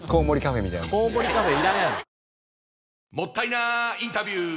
もったいなインタビュー！